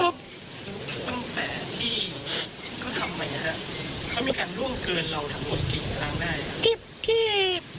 ก็ตั้งแต่ที่เขาทำไปนะฮะเขามีการล่วงเกินเราทั้งหมดกี่ครั้งได้